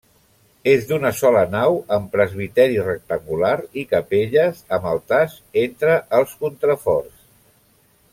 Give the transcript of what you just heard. És d'una sola nau amb presbiteri rectangular i capelles amb altars entre els contraforts.